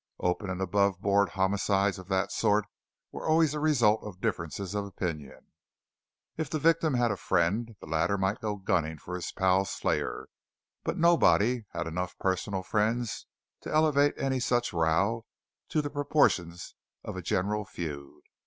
Open and above board homicides of that sort were always the result of differences of opinion. If the victim had a friend, the latter might go gunning for his pal's slayer; but nobody had enough personal friends to elevate any such row to the proportions of a general feud.